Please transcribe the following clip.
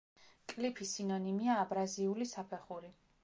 კლიფის სინონიმია აბრაზიული საფეხური.